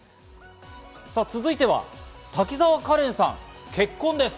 続いては滝沢カレンさん、結婚です。